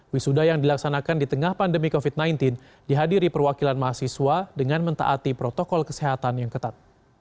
wisuda yang dilaksanakan di tengah pandemi covid sembilan belas dihadiri perwakilan mahasiswa dengan mentaati protokol kesehatan yang ketat